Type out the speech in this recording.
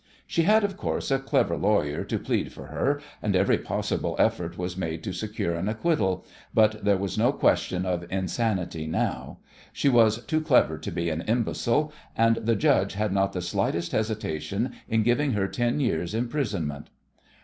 She had, of course, a clever lawyer to plead for her, and every possible effort was made to secure an acquittal, but there was no question of insanity now. She was too clever to be an imbecile, and the judge had not the slightest hesitation in giving her ten years' imprisonment.